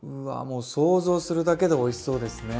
もう想像するだけでおいしそうですね！